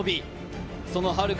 そのはるか